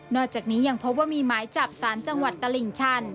อกจากนี้ยังพบว่ามีหมายจับสารจังหวัดตลิ่งชัน